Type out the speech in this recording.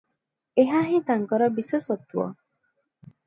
ଏହାହିଁ ତାଙ୍କର ବିଶେଷତ୍ୱ ।